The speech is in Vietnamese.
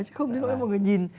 chứ không lỗi mọi người nhìn